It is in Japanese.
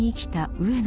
上野